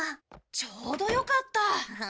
ちょうどよかった。